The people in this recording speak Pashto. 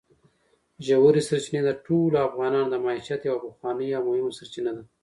ژورې سرچینې د ټولو افغانانو د معیشت یوه پخوانۍ او مهمه سرچینه ده.